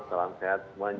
salam sehat semuanya